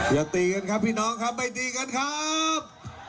อย่าตีกันครับพี่น้องครับไม่ตีกันครับ